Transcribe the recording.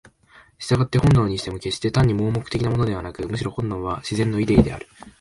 従って本能にしても決して単に盲目的なものでなく、むしろ本能は「自然のイデー」である。